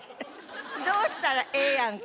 どうしたらええやんか？